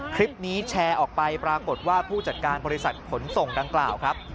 คลิปนี้แชร์ออกไปปรากฏว่าผู้จัดการบริษัทขนส่งดังกล่าวครับ